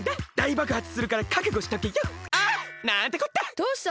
どうしたの？